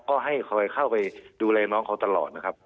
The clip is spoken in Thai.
ก็ให้คอยเข้าไปดูแลน้องเขาตลอดนะครับ